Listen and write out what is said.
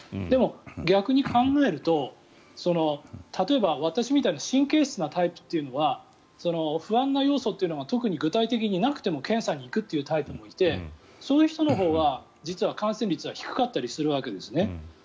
でも、逆に考えると例えば、私みたいな神経質なタイプというのは不安な要素っていうのが特に具体的になくても検査に行くというタイプもいてそういう人のほうは実は感染率が低かったりするんですね。